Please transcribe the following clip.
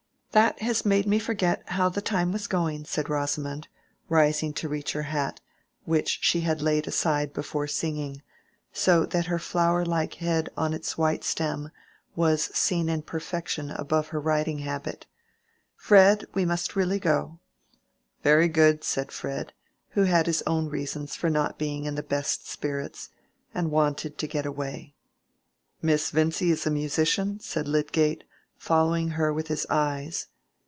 "That has made me forget how the time was going," said Rosamond, rising to reach her hat, which she had laid aside before singing, so that her flower like head on its white stem was seen in perfection above her riding habit. "Fred, we must really go." "Very good," said Fred, who had his own reasons for not being in the best spirits, and wanted to get away. "Miss Vincy is a musician?" said Lydgate, following her with his eyes.